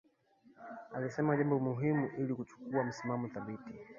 Alisema jambo muhimu ni kuchukua msimamo thabiti